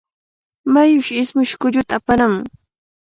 Mayushi ismush kulluta aparamun.